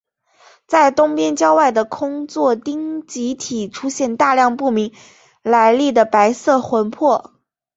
在东边郊外的空座町集体出现大量不明来历的白色魂魄。